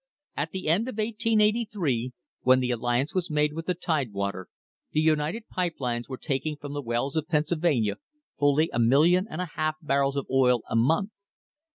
At the end of 1883, when the alliance was made with the Tidewater, the United Pipe Lines were taking from the wells of Pennsylvania fully a million and a half barrels of oil a month.